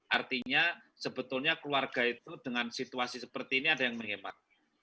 artinya sebetulnya keluarga itu dengan situasi seperti ini ada yang menghemat